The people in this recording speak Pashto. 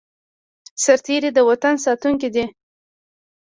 سرتیری د وطن ساتونکی دی